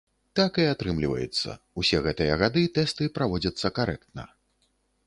Так і атрымліваецца, усе гэтыя гады тэсты праводзяцца карэктна.